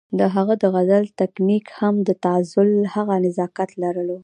د هغه د غزل تکنيک هم د تغزل هغه نزاکت لرلو